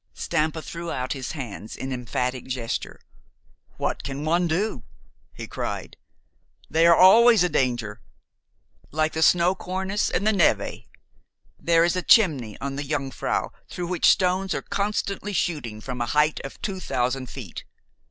Stampa threw out his hands in emphatic gesture. "What can one do?" he cried. "They are always a danger, like the snow cornice and the névé. There is a chimney on the Jungfrau through which stones are constantly shooting from a height of two thousand feet.